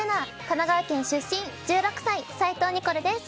神奈川県出身１６歳斎藤ニコルです。